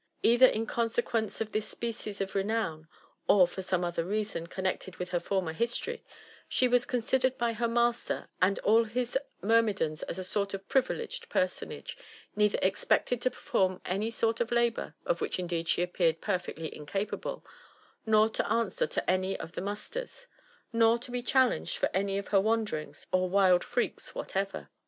Either in con sequence of this species of renown, or for some other reasons con nected with her former history, she was considered by her master and all his myrmidons as a sort of privileged personage, neither expected to perform any sort of labour — of which indeed she appeared perfectly incapable, — nor to answer at any of the musters, nor to be challenged for any of her wanderings or wild freaks whatever.